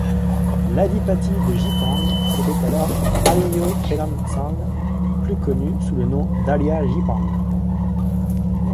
L'adipati de Jipang était alors Aryo Penangsang, plus connu sous le nom d'Aria Jipang.